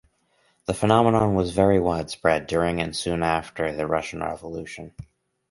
The phenomenon was very widespread during and soon after the Russian Revolution.